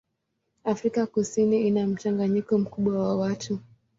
Afrika Kusini ina mchanganyiko mkubwa wa watu.